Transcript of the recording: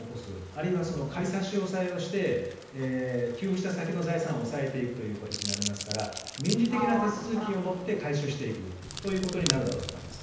あるいは仮差し押さえをして給付した先の財産を抑えていくことになりますから民事的な手続きをもって回収していくことになるだろうと思います。